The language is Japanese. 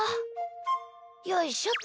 よいしょっと！